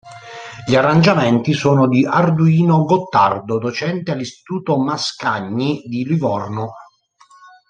Gli arrangiamenti sono di Arduino Gottardo, docente all'Istituto Mascagni di Livorno.